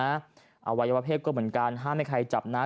อวัยวะเพศก็เหมือนกันห้ามให้ใครจับนะ